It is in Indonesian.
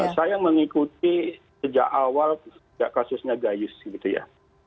saya mengikuti sejak awal sejak kasusnya gayus gitu ya